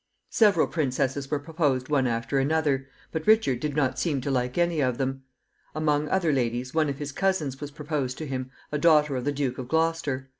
Several princesses were proposed one after another, but Richard did not seem to like any of them. Among other ladies, one of his cousins was proposed to him, a daughter of the Duke of Gloucester.